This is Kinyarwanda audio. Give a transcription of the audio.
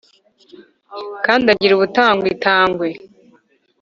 Kandi agira ubutangwa itangwe